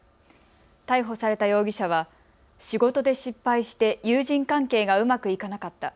逮捕された容疑者は仕事で失敗して友人関係がうまくいかなかった。